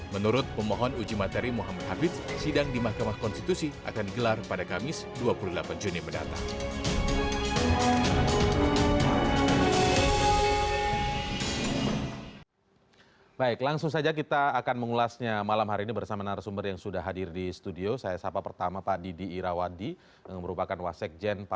menurut pemohon uji materi muhammad habib sidang di mahkamah konstitusi akan digelar pada kamis dua puluh delapan juni mendatang